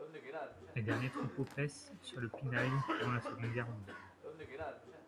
Les derniers troupeaux paissent sur le Pinail pendant la seconde guerre mondiale.